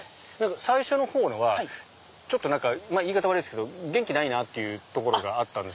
最初の方のは言い方悪いですけど元気ないところがあったんです。